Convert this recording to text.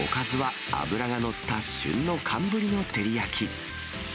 おかずは脂が乗った旬の寒ぶりの照り焼き。